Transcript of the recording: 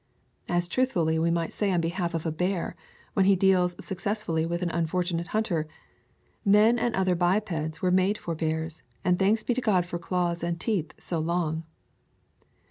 As truthfully we might say on behalf of a bear, when he deals successfully with an unfortunate hunter, "Men and other bipeds were made for bears, and thanks be to God for claws and teeth so long."